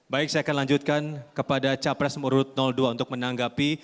baik saya akan lanjutkan kepada capres murud dua untuk menanggapi